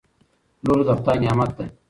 لور دخدای نعمت ده